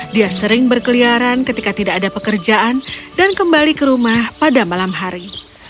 dia sering berkeliaran ketika tidak ada pekerjaan dan kembali ke rumah pada malam hari